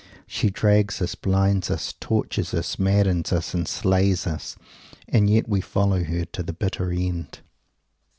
She drugs us, blinds us, tortures us, maddens us, and slays us yet we follow her to the bitter end!